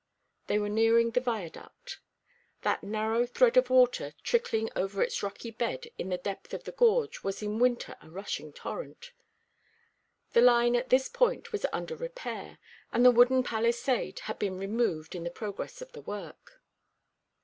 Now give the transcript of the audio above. They were nearing the viaduct. That narrow thread of water trickling over its rocky bed in the depth of the gorge was in winter a rushing torrent. The line at this point was under repair, and the wooden palisade had been removed in the progress of the work.